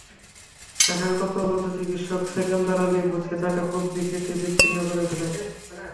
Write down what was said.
সেখানে কর্তব্যরত চিকিৎসক সেকেন্দর আলীর ঝুলে থাকা কব্জি কেটে বিচ্ছিন্ন করে ফেলেন।